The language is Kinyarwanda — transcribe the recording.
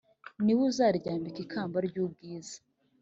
ni we uzaryambika ikamba ry'ubwiza